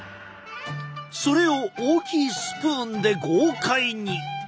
それを大きいスプーンで豪快に！